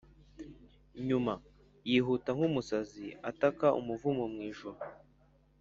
inyuma, yihuta nk'umusazi, ataka umuvumo mwijuru,